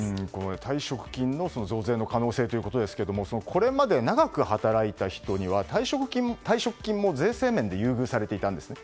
退職金の増税の可能性ということですがこれまで長く働いた人には退職金も税制面で優遇されていたんですね。